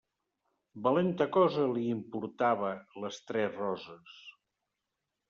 Valenta cosa li importava Les Tres Roses!